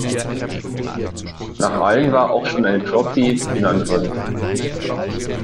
Nach allen war auch schon eine Trophy benannt worden.